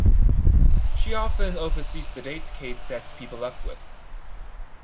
She often oversees the dates Kate sets people up with.